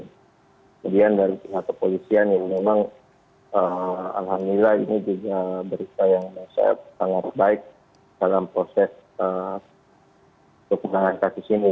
kemudian dari pihak kepolisian yang memang alhamdulillah ini juga berita yang sangat baik dalam proses untuk menangani kasus ini